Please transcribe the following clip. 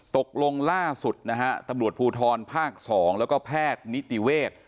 ตกลงล่าสุดนะฮะตำรวจภูทรภาค๒แล้วก็แพทย์นิติเวศ